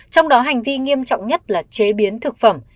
trong đó hành vi nghiêm trọng nhất là chế biến thực phẩm